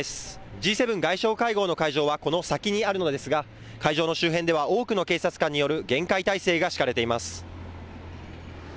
Ｇ７外相会合の会場はこの先にあるのですが会場の周辺では多くの警察官による厳戒態勢が敷かれています。